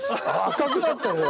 赤くなったほら！